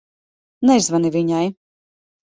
Nezvani viņai.